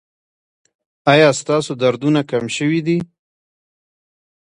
ایا ستاسو دردونه کم شوي دي؟